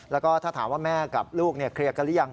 แล้วก็ถ้าถามว่าแม่กับลูกเคลียร์กันหรือยัง